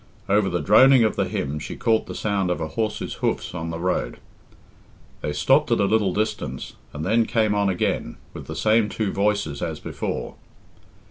Over the droning of the hymn she caught the sound of a horse's hoofs on the road. They stopped at a little distance, and then came on again, with the same two voices as before.